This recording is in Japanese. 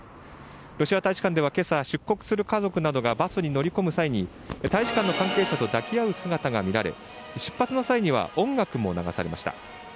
ロシア大使館では今朝出国する家族などがバスに乗り込む際に大使館の関係者と抱き合う姿が見られ出発前には音楽も流されました。